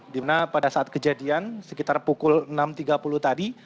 dimana pada saat kejadian sekitar pukul enam tiga puluh tadi